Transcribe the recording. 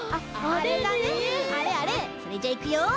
それじゃいくよ！